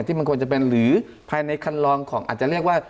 มันควรจะเป็นหรือภายในคันลองของอาจจะเรียกว่า